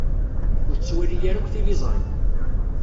Ur tettwali ara akk tiliẓri.